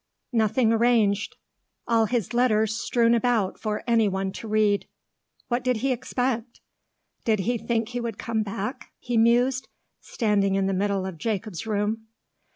"Nothing arranged. All his letters strewn about for any one to read. What did he expect? Did he think he would come back?" he mused, standing in the middle of Jacob's room.